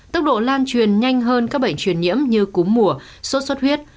tốc độ lan truyền nhanh hơn các bệnh truyền nhiễm như cúm mùa sốt xuất huyết